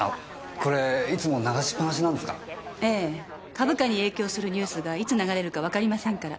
株価に影響するニュースがいつ流れるかわかりませんから。